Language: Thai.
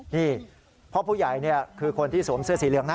นี่พ่อผู้ใหญ่คือคนที่สวมเสื้อสีเหลืองนะ